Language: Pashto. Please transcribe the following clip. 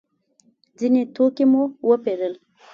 ځینې توکي مو وپېرل.